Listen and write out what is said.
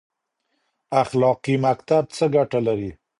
اخلاقي مکتب څه ګټه لري؟